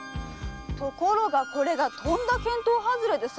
ところがこれがとんだ見当外れでさ。